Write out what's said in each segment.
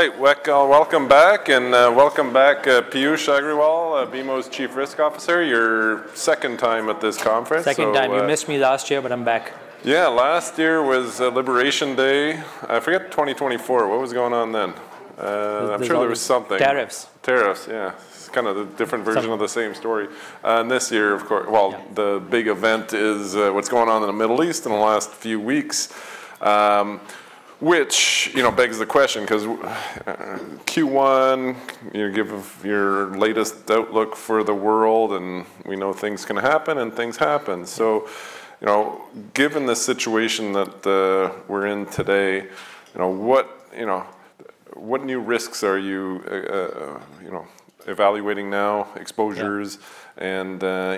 All right. Welcome back, Piyush Agrawal, BMO's Chief Risk Officer. Your second time at this conference, so Second time. You missed me last year, but I'm back. Yeah. Last year was Liberation Day. I forget 2024. What was going on then? There was- I'm sure there was something. Tariffs. Tariffs, yeah. It's kind of the different version. Some... of the same story. This year, of course. Yeah Well, the big event is what's going on in the Middle East in the last few weeks, which, you know, begs the question, 'cause Q1, you give your latest outlook for the world, and we know things can happen, and things happened. You know, given the situation that we're in today, you know, what new risks are you evaluating now, exposures. Yeah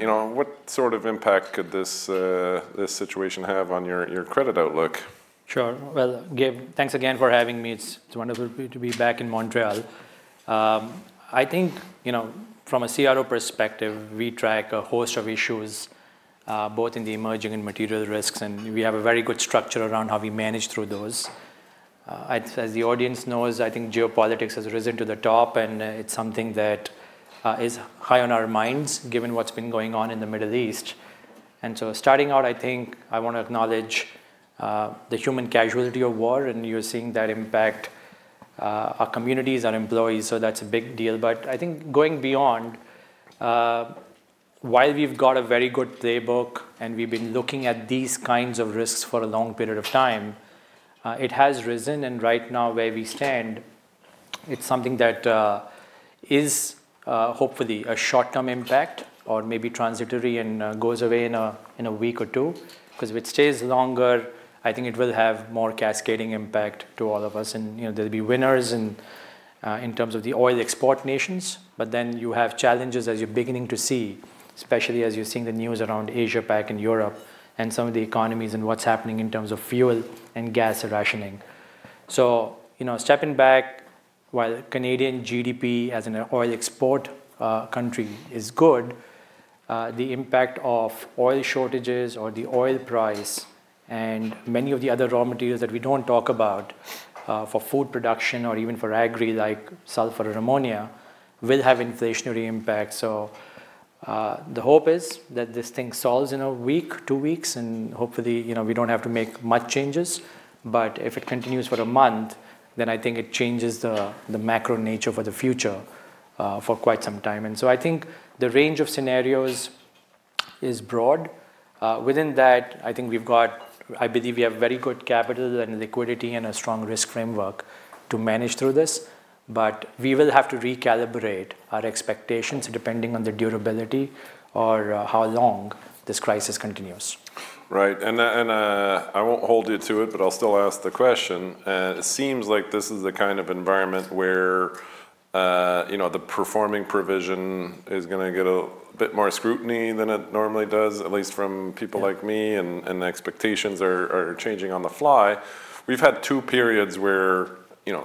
you know, what sort of impact could this situation have on your credit outlook? Sure. Well, Gabriel Dechaine, thanks again for having me. It's wonderful to be back in Montreal. I think, you know, from a CRO perspective, we track a host of issues, both in the emerging and material risks, and we have a very good structure around how we manage through those. As the audience knows, I think geopolitics has risen to the top, and it's something that is high on our minds given what's been going on in the Middle East. Starting out, I think I wanna acknowledge the human casualty of war, and you're seeing that impact our communities, our employees, so that's a big deal. I think going beyond, while we've got a very good playbook and we've been looking at these kinds of risks for a long period of time, it has risen, and right now where we stand, it's something that is hopefully a short-term impact or maybe transitory and goes away in a week or two. 'Cause if it stays longer, I think it will have more cascading impact to all of us and, you know, there'll be winners in terms of the oil export nations, but then you have challenges as you're beginning to see, especially as you're seeing the news around Asia-Pacific and Europe and some of the economies and what's happening in terms of fuel and gas rationing. You know, stepping back, while Canadian GDP as an oil export country is good, the impact of oil shortages or the oil price and many of the other raw materials that we don't talk about for food production or even for agri like sulfur and ammonia, will have inflationary impact. The hope is that this thing solves in a week, 2 weeks, and hopefully, you know, we don't have to make much changes. If it continues for a month, then I think it changes the macro nature for the future for quite some time. I think the range of scenarios is broad. Within that, I think we've got... I believe we have very good capital and liquidity and a strong risk framework to manage through this, but we will have to recalibrate our expectations depending on the durability or, how long this crisis continues. Right. I won't hold you to it, but I'll still ask the question. It seems like this is the kind of environment where, you know, the performing provision is gonna get a bit more scrutiny than it normally does, at least from people like me. Yeah The expectations are changing on the fly. We've had two periods where, you know,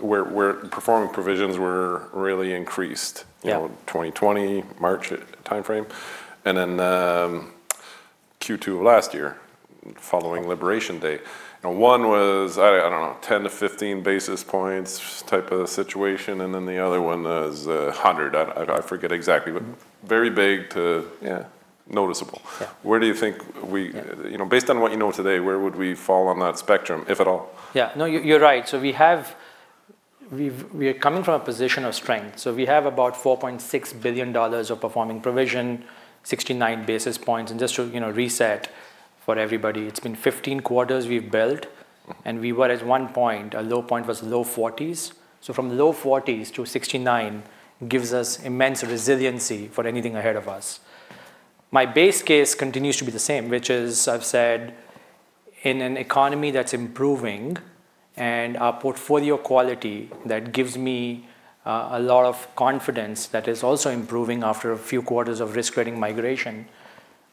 where performing provisions were really increased. Yeah. You know, 2020, March timeframe, and then Q2 of last year following Liberation Day. Now one was, I don't know, 10-15 basis points type of situation, and then the other one was, 100. I forget exactly. Mm-hmm Very big. Yeah noticeable. Yeah. Where do you think we? Yeah you know, based on what you know today, where would we fall on that spectrum, if at all? Yeah. No, you're right. We're coming from a position of strength. We have about 4.6 billion dollars of performing provision, 69 basis points. Just to, you know, reset for everybody, it's been 15 quarters we've built, and we were at one point, our low point was low 40s. From low 40s to 69 gives us immense resiliency for anything ahead of us. My base case continues to be the same, which is I've said in an economy that's improving and our portfolio quality that gives me, a lot of confidence that is also improving after a few quarters of risk-weighting migration.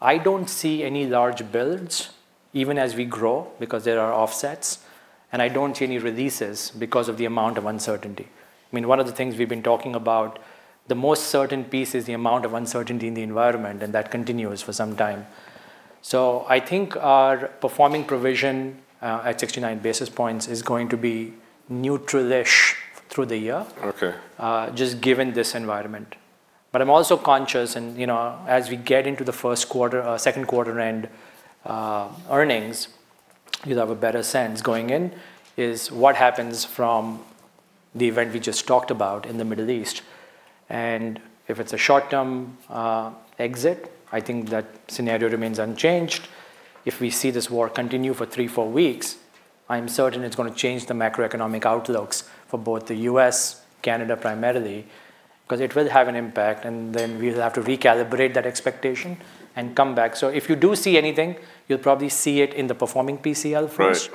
I don't see any large builds even as we grow because there are offsets, and I don't see any releases because of the amount of uncertainty. I mean, one of the things we've been talking about, the most certain piece is the amount of uncertainty in the environment, and that continues for some time. I think our performing provision at 69 basis points is going to be neutral-ish through the year. Okay Just given this environment. I'm also conscious and, you know, as we get into the first quarter or second quarter end, earnings, you'll have a better sense going in, is what happens from the event we just talked about in the Middle East. If it's a short-term exit, I think that scenario remains unchanged. If we see this war continue for 3, 4 weeks, I'm certain it's gonna change the macroeconomic outlooks for both the U.S., Canada primarily, 'cause it will have an impact, and then we'll have to recalibrate that expectation and come back. If you do see anything, you'll probably see it in the performing PCL first.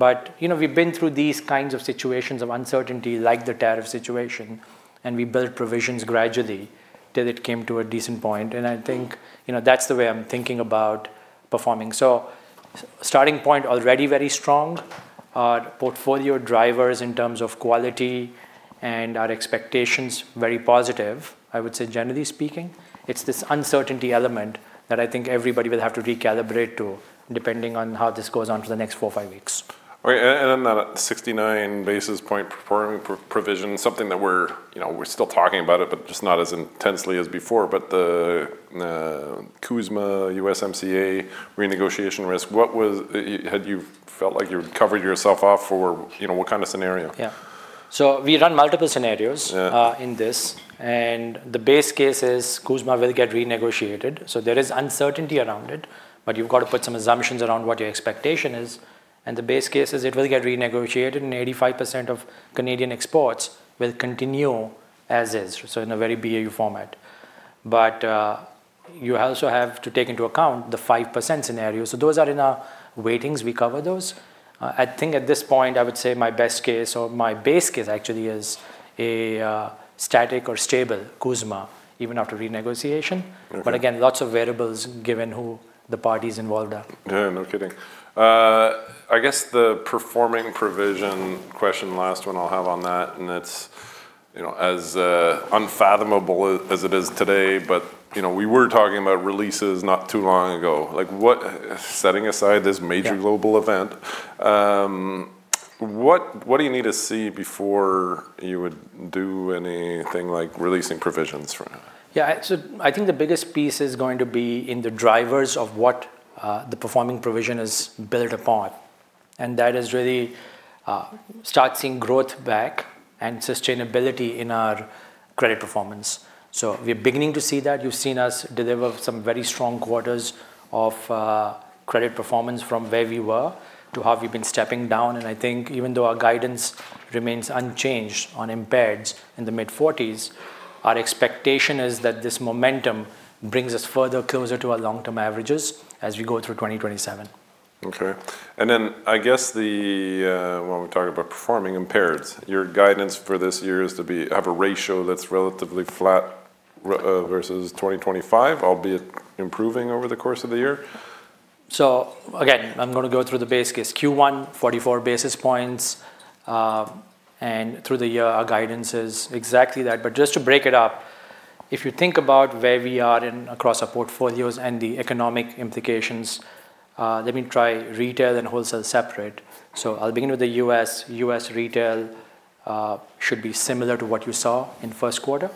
Right. you know, we've been through these kinds of situations of uncertainty like the tariff situation, and we built provisions gradually till it came to a decent point, and I think, you know, that's the way I'm thinking about performing. Starting point already very strong. Our portfolio drivers in terms of quality and our expectations very positive, I would say generally speaking. It's this uncertainty element that I think everybody will have to recalibrate to, depending on how this goes on for the next 4-5 weeks. Okay. That 69 basis point performing provision, something that we're still talking about, but just not as intensely as before. The CUSMA-USMCA renegotiation risk, had you felt like you covered yourself off for, you know, what kind of scenario? Yeah. We run multiple scenarios. Yeah In this, the base case is CUSMA will get renegotiated. There is uncertainty around it, but you've got to put some assumptions around what your expectation is. The base case is it will get renegotiated, and 85% of Canadian exports will continue as is, so in a very BAU format. You also have to take into account the 5% scenario. Those are in our weightings. We cover those. I think at this point, I would say my best case or my base case actually is a static or stable CUSMA even after renegotiation. Okay. Again, lots of variables given who the parties involved are. Yeah, no kidding. I guess the performing provision question, last one I'll have on that, and it's, you know, as unfathomable as it is today, but, you know, we were talking about releases not too long ago. Setting aside this major Yeah global event, what do you need to see before you would do anything like releasing provisions right now? Yeah. I think the biggest piece is going to be in the drivers of what the performing provision is built upon, and that is really starting to see growth back and sustainability in our credit performance. We're beginning to see that. You've seen us deliver some very strong quarters of credit performance from where we were to where we've been stepping down. I think even though our guidance remains unchanged on impairments in the mid-40s, our expectation is that this momentum brings us further closer to our long-term averages as we go through 2027. Okay. I guess when we talk about performing impaireds, your guidance for this year is to have a ratio that's relatively flat versus 2025, albeit improving over the course of the year. Again, I'm gonna go through the base case. Q1, 44 basis points, and through the year our guidance is exactly that. Just to break it up, if you think about where we are across our portfolios and the economic implications, let me try retail and wholesale separately. I'll begin with the U.S. U.S. retail should be similar to what you saw in first quarter.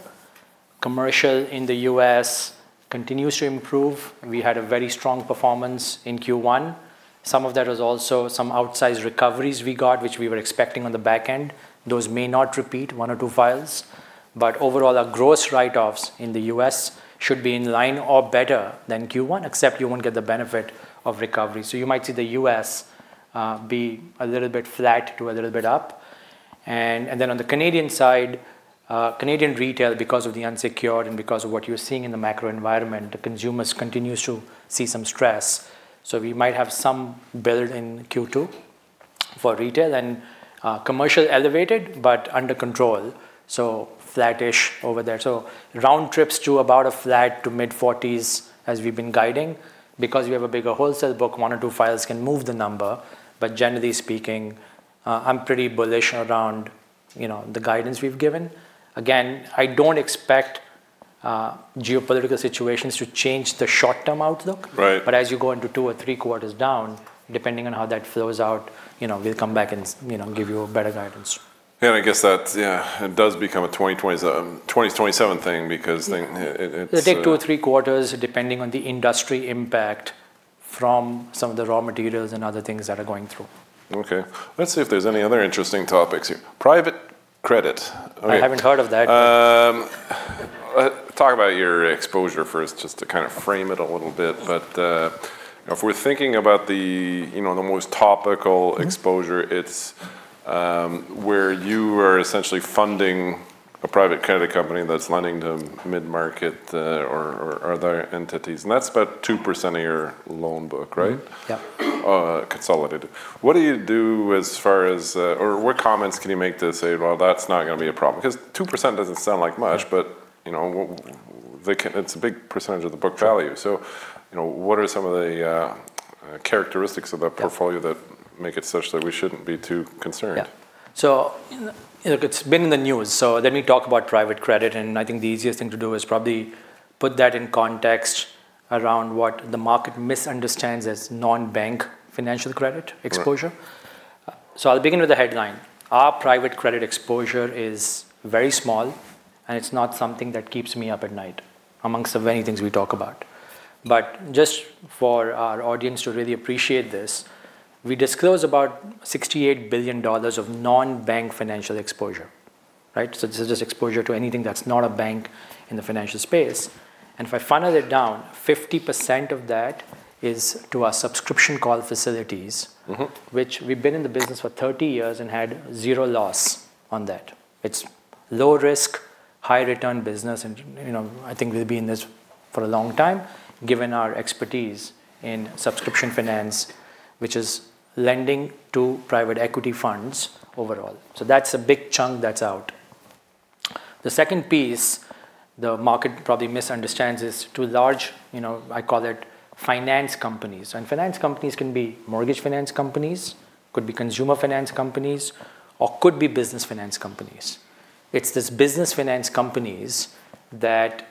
Commercial in the U.S. continues to improve. We had a very strong performance in Q1. Some of that was also outsized recoveries we got, which we were expecting on the back end. Those may not repeat in one or two files, but overall our gross write-offs in the U.S. should be in line or better than Q1, except you won't get the benefit of recovery. You might see the U.S. be a little bit flat to a little bit up. Then on the Canadian side, Canadian retail, because of the unsecured and because of what you're seeing in the macro environment, the consumers continues to see some stress. We might have some build in Q2 for retail and commercial elevated, but under control, so flattish over there. Round trips to about a flat to mid-40s as we've been guiding. Because we have a bigger wholesale book, one or two files can move the number. Generally speaking, I'm pretty bullish around, you know, the guidance we've given. Again, I don't expect geopolitical situations to change the short-term outlook. Right. As you go into 2 or 3 quarters down, depending on how that flows out, you know, we'll come back and, you know, give you a better guidance. Yeah, I guess that's. Yeah, it does become a 2027 thing because then it's It'll take 2 or 3 quarters depending on the industry impact from some of the raw materials and other things that are going through. Okay. Let's see if there's any other interesting topics here. Private credit. All right. I haven't heard of that. Talk about your exposure first, just to kind of frame it a little bit. If we're thinking about the, you know, the most topical exposure, it's where you are essentially funding a private credit company that's lending to mid-market or other entities, and that's about 2% of your loan book, right? Mm-hmm. Yeah. Consolidated. What do you do as far as or what comments can you make to say, "Well, that's not gonna be a problem"? 'Cause 2% doesn't sound like much, but, you know, it's a big percentage of the book value. You know, what are some of the characteristics of that portfolio that make it such that we shouldn't be too concerned? Yeah. You know, it's been in the news, so let me talk about private credit, and I think the easiest thing to do is probably put that in context around what the market misunderstands as non-bank financial credit exposure. Right. I'll begin with the headline. Our private credit exposure is very small, and it's not something that keeps me up at night among the many things we talk about. Just for our audience to really appreciate this, we disclose about 68 billion dollars of non-bank financial exposure, right? This is just exposure to anything that's not a bank in the financial space. If I funnel it down, 50% of that is to our subscription call facilities. Mm-hmm which we've been in the business for 30 years and had 0 loss on that. It's low risk, high return business. You know, I think we'll be in this for a long time given our expertise in subscription finance, which is lending to private equity funds overall. That's a big chunk that's out. The second piece the market probably misunderstands is to large, you know, I call it finance companies, and finance companies can be mortgage finance companies, could be consumer finance companies, or could be business finance companies. It's this business finance companies that,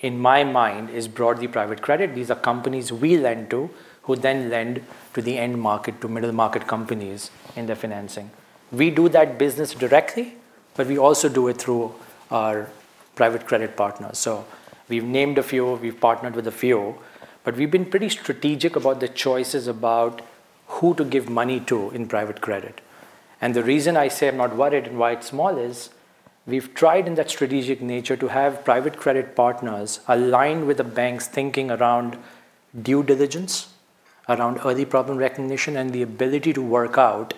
in my mind, is broadly private credit. These are companies we lend to, who then lend to the end market, to middle market companies in their financing. We do that business directly, but we also do it through our private credit partners. We've named a few, we've partnered with a few, but we've been pretty strategic about the choices about who to give money to in private credit. The reason I say I'm not worried and why it's small is, we've tried in that strategic nature to have private credit partners align with the bank's thinking around due diligence, around early problem recognition, and the ability to work out,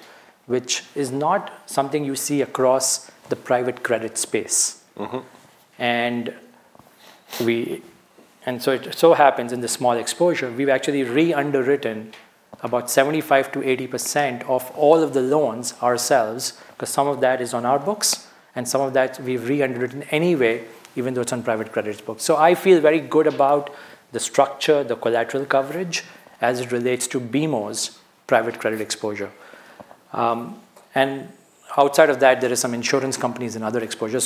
which is not something you see across the private credit space. Mm-hmm. It so happens in the small exposure, we've actually re-underwritten about 75%-80% of all of the loans ourselves, 'cause some of that is on our books, and some of that we've re-underwritten anyway, even though it's on private credit's books. I feel very good about the structure, the collateral coverage, as it relates to BMO's private credit exposure. Outside of that, there is some insurance companies and other exposure.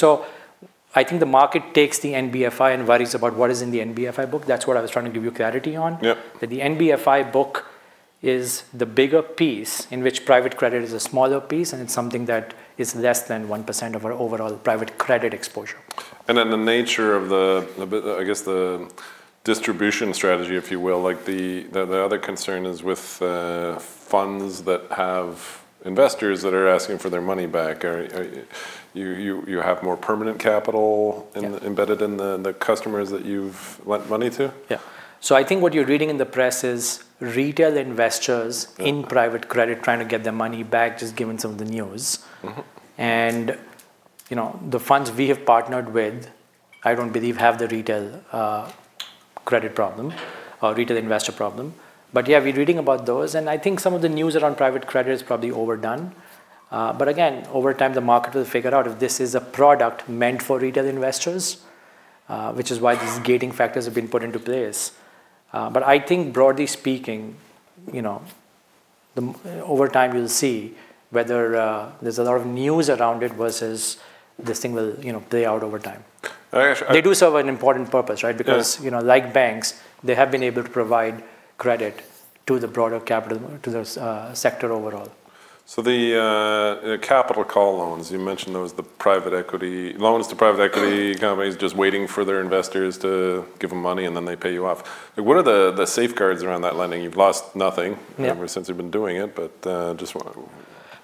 I think the market takes the NBFI and worries about what is in the NBFI book. That's what I was trying to give you clarity on. Yep. The NBFI book is the bigger piece in which private credit is a smaller piece, and it's something that is less than 1% of our overall private credit exposure. The nature of the distribution strategy, if you will, like the other concern is with funds that have investors that are asking for their money back. You have more permanent capital. Yeah Embedded in the customers that you've lent money to? Yeah. I think what you're reading in the press is retail investors- Yeah in private credit trying to get their money back, just given some of the news. Mm-hmm. You know, the funds we have partnered with I don't believe have the retail credit problem or retail investor problem. Yeah, we're reading about those, and I think some of the news around private credit is probably overdone. Again, over time, the market will figure out if this is a product meant for retail investors, which is why these gating factors have been put into place. I think broadly speaking, you know, over time you'll see whether there's a lot of news around it versus this thing will, you know, play out over time. I- They do serve an important purpose, right? Yeah. Because, you know, like banks, they have been able to provide credit to the broader capital, to the sector overall. The capital call loans you mentioned those, the private equity loans to private equity companies just waiting for their investors to give them money, and then they pay you off. What are the safeguards around that lending? You've lost nothing. Yeah... ever since you've been doing it, but just wanna...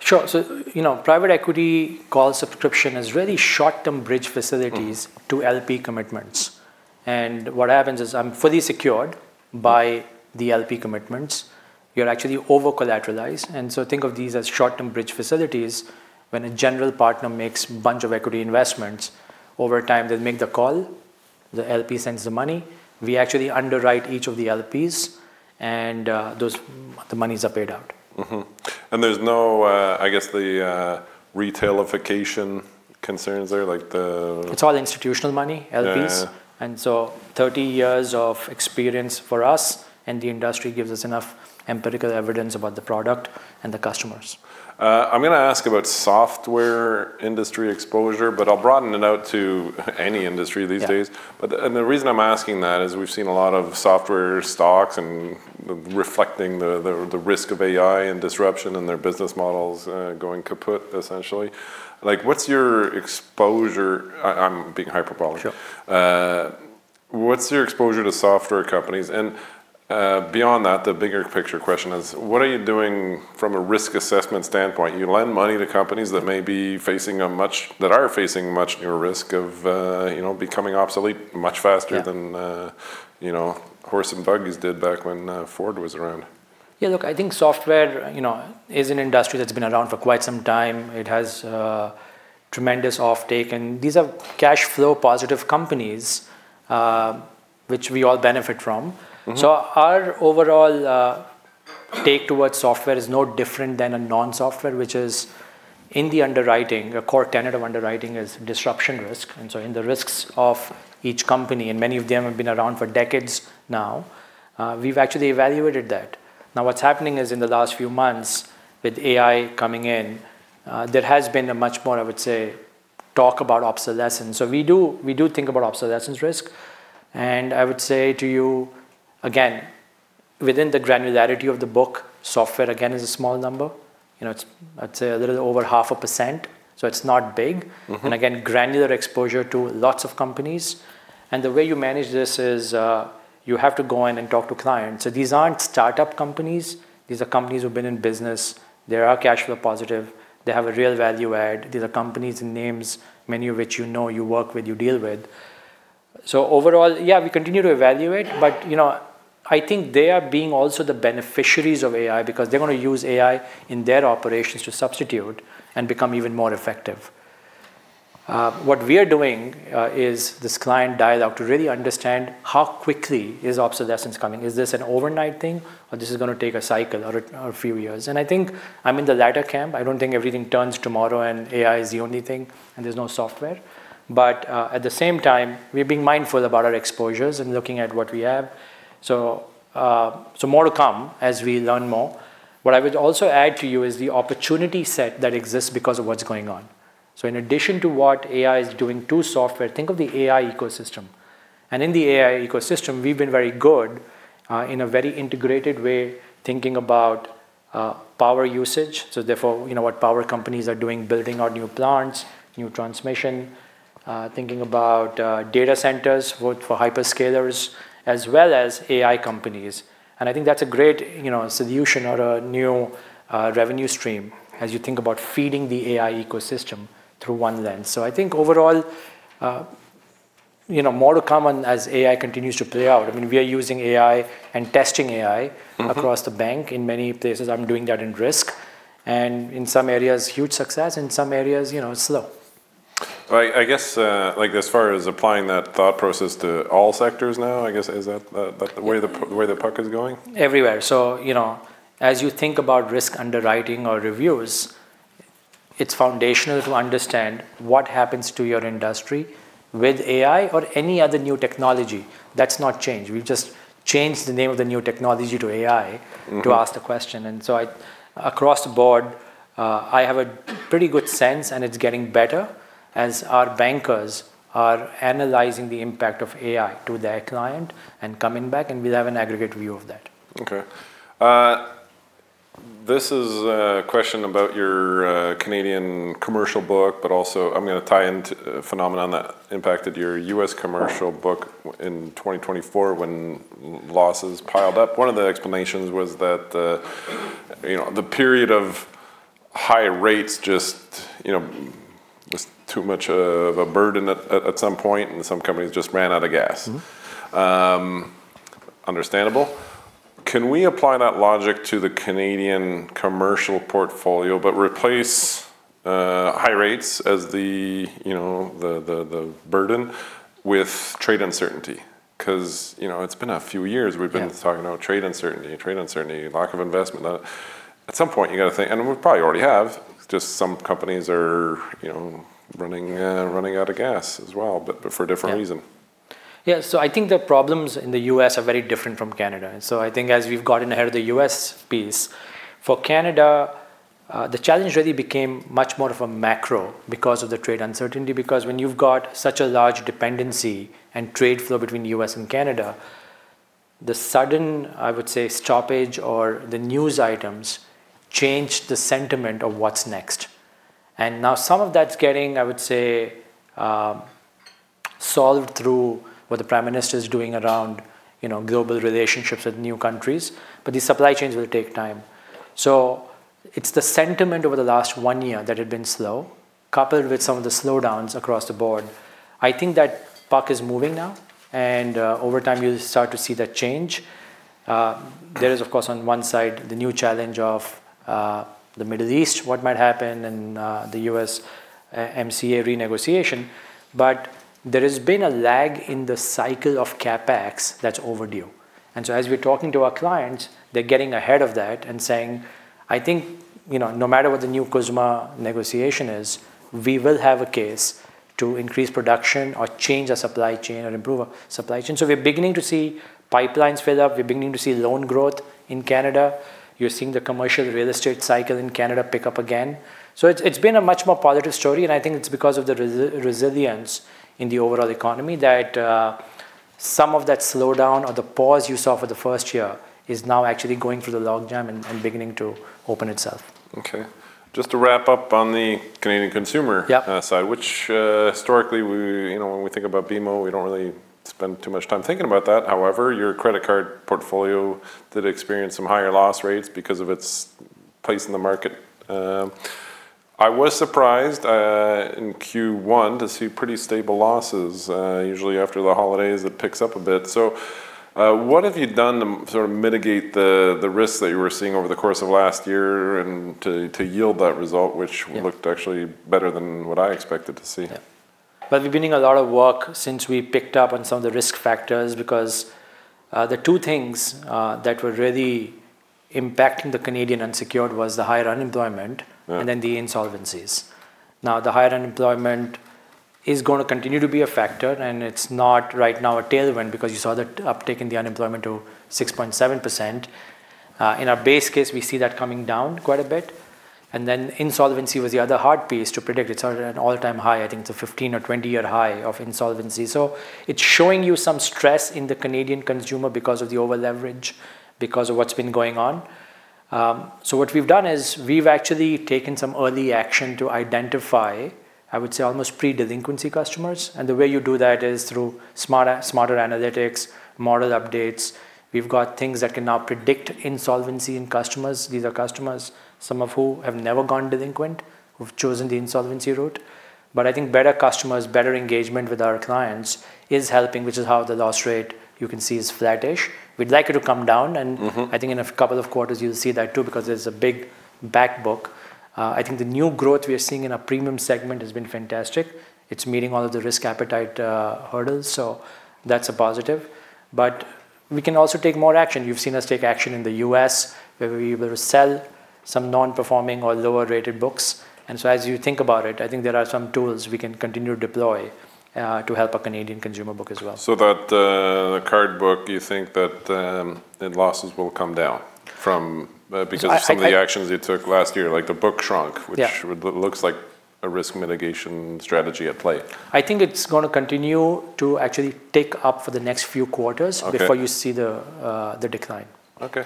Sure. You know, private equity call subscription is really short-term bridge facilities. Mm-hmm... to LP commitments. What happens is I'm fully secured by the LP commitments. You're actually over-collateralized, and so think of these as short-term bridge facilities. When a general partner makes bunch of equity investments over time, they'll make the call, the LP sends the money. We actually underwrite each of the LPs, and those, the monies are paid out. Mm-hmm. There's no, I guess, the retailification concerns there, like the- It's all institutional money, LPs. Yeah. 30 years of experience for us, and the industry gives us enough empirical evidence about the product and the customers. I'm gonna ask about software industry exposure, but I'll broaden it out to any industry these days. Yeah. The reason I'm asking that is we've seen a lot of software stocks and reflecting the risk of AI and disruption in their business models, going kaput, essentially. Like, what's your exposure? I'm being hyperbolic. Sure. What's your exposure to software companies? Beyond that, the bigger picture question is, what are you doing from a risk assessment standpoint? You lend money to companies that are facing much newer risk of, you know, becoming obsolete much faster. Yeah... than, you know, horse and buggies did back when, Ford was around. Yeah, look, I think software, you know, is an industry that's been around for quite some time. It has tremendous offtake, and these are cash flow positive companies, which we all benefit from. Mm-hmm. Our overall take towards software is no different than a non-software, which is in the underwriting. A core tenet of underwriting is disruption risk, and so in the risks of each company, and many of them have been around for decades now, we've actually evaluated that. Now, what's happening is in the last few months with AI coming in, there has been a much more, I would say, talk about obsolescence. We do think about obsolescence risk. I would say to you, again, within the granularity of the book, software again is a small number. You know, it's, I'd say a little over 0.5%, so it's not big. Mm-hmm. Again, granular exposure to lots of companies. The way you manage this is, you have to go in and talk to clients. These aren't startup companies, these are companies who've been in business. They are cash flow positive. They have a real value add. These are companies and names, many of which you know, you work with, you deal with. Overall, yeah, we continue to evaluate, but, you know, I think they are being also the beneficiaries of AI because they're gonna use AI in their operations to substitute and become even more effective. What we are doing is this client dialogue to really understand how quickly is obsolescence coming. Is this an overnight thing, or this is gonna take a cycle or a few years? I think I'm in the latter camp. I don't think everything turns tomorrow and AI is the only thing and there's no software. At the same time, we're being mindful about our exposures and looking at what we have. More to come as we learn more. What I would also add to you is the opportunity set that exists because of what's going on. In addition to what AI is doing to software, think of the AI ecosystem. In the AI ecosystem, we've been very good in a very integrated way, thinking about power usage, so therefore, you know, what power companies are doing building our new plants, new transmission, thinking about data centers both for hyperscalers as well as AI companies. I think that's a great, you know, solution or a new revenue stream as you think about feeding the AI ecosystem through one lens. I think overall, you know, more to come and as AI continues to play out. I mean, we are using AI and testing AI. Mm-hmm. Across the bank in many places. I'm doing that in risk, and in some areas, huge success, in some areas, you know, slow. I guess, like as far as applying that thought process to all sectors now, I guess, is that the way the puck is going? Everywhere. You know, as you think about risk underwriting or reviews, it's foundational to understand what happens to your industry with AI or any other new technology. That's not changed. We've just changed the name of the new technology to AI. Mm-hmm. To ask the question. I, across the board, I have a pretty good sense, and it's getting better as our bankers are analyzing the impact of AI to their client and coming back, and we'll have an aggregate view of that. Okay. This is a question about your Canadian commercial book, but also I'm gonna tie into a phenomenon that impacted your U.S. commercial book- Right. In 2024 when losses piled up. One of the explanations was that, you know, the period of high rates just, you know, just too much of a burden at some point and some companies just ran out of gas. Mm-hmm. Understandable. Can we apply that logic to the Canadian commercial portfolio but replace high rates as the, you know, the burden with trade uncertainty? 'Cause, you know, it's been a few years- Yeah. We've been talking about trade uncertainty, lack of investment. At some point you gotta think, and we probably already have, just some companies are, you know, running out of gas as well, but for a different reason. Yeah. Yeah. I think the problems in the U.S. are very different from Canada. I think as we've gotten ahead of the U.S. piece, for Canada, the challenge really became much more of a macro because of the trade uncertainty, because when you've got such a large dependency and trade flow between U.S. and Canada, the sudden, I would say, stoppage or the news items change the sentiment of what's next. Now some of that's getting, I would say, solved through what the Prime Minister is doing around, you know, global relationships with new countries, but the supply chains will take time. It's the sentiment over the last one year that had been slow, coupled with some of the slowdowns across the board. I think that puck is moving now, and over time you'll start to see that change. There is of course on one side the new challenge of the Middle East, what might happen, and the USMCA renegotiation. But there has been a lag in the cycle of CapEx that's overdue. As we're talking to our clients, they're getting ahead of that and saying, "I think, you know, no matter what the new CUSMA negotiation is, we will have a case to increase production or change our supply chain or improve our supply chain." We're beginning to see pipelines fill up. We're beginning to see loan growth in Canada. You're seeing the commercial real estate cycle in Canada pick up again. It's been a much more positive story, and I think it's because of the resilience in the overall economy that some of that slowdown or the pause you saw for the first year is now actually going through the logjam and beginning to open itself. Okay. Just to wrap up on the Canadian consumer. Yeah. Historically we, you know, when we think about BMO, we don't really spend too much time thinking about that. However, your credit card portfolio did experience some higher loss rates because of its place in the market. I was surprised in Q1 to see pretty stable losses. Usually after the holidays it picks up a bit. What have you done to sort of mitigate the risks that you were seeing over the course of last year and to yield that result, which Yeah. It looked actually better than what I expected to see? Yeah. Well, we've been doing a lot of work since we picked up on some of the risk factors because the two things that were really impacting the Canadian unsecured was the higher unemployment- Mm. The insolvencies. Now, the higher unemployment is gonna continue to be a factor, and it's not right now a tailwind because you saw the uptick in the unemployment to 6.7%. In our base case, we see that coming down quite a bit. Insolvency was the other hard piece to predict. It's at an all-time high. I think it's a 15 or 20-year high of insolvency. So it's showing you some stress in the Canadian consumer because of the over-leverage, because of what's been going on. What we've done is we've actually taken some early action to identify, I would say, almost pre-delinquency customers. The way you do that is through smarter analytics, model updates. We've got things that can now predict insolvency in customers. These are customers, some of who have never gone delinquent, who've chosen the insolvency route. I think better customers, better engagement with our clients is helping, which is how the loss rate you can see is flattish. We'd like it to come down. Mm-hmm. I think in a couple of quarters you'll see that too because there's a big back book. I think the new growth we are seeing in our premium segment has been fantastic. It's meeting all of the risk appetite, hurdles, so that's a positive. We can also take more action. You've seen us take action in the U.S., where we were able to sell some non-performing or lower-rated books. As you think about it, I think there are some tools we can continue to deploy, to help our Canadian consumer book as well. that the card book, you think that the losses will come down from- I think. Because of some of the actions you took last year, like the book shrunk. Yeah. looks like a risk mitigation strategy at play. I think it's gonna continue to actually tick up for the next few quarters. Okay. Before you see the decline. Okay.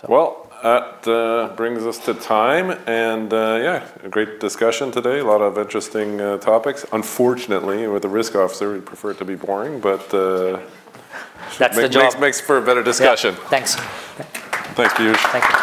So. Well, that brings us to time, and yeah, a great discussion today. A lot of interesting topics. Unfortunately, with the Risk Officer, we prefer it to be boring, but That's the job. Makes for a better discussion. Yeah. Thanks. Okay. Thanks, Piyush. Thank you.